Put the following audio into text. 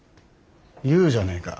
言うじゃねえか。